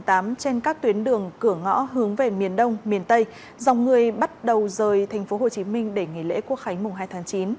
trên các tuyến đường cửa ngõ hướng về miền đông miền tây dòng người bắt đầu rời tp hcm để nghỉ lễ quốc khánh mùng hai tháng chín